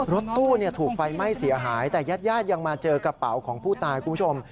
รถตู้ถูกไฟไหม้เสียหายแต่ญาติญาติยังมาเจอกระเป๋าของผู้ตายคุณผู้ชม